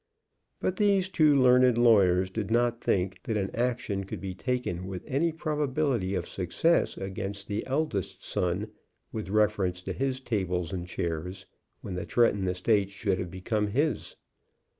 But these two learned lawyers did not think that an action could be taken with any probability of success against the eldest son, with reference to his tables and chairs, when the Tretton estates should have become his.